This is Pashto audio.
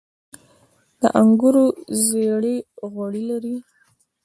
د انګورو زړې غوړي لري.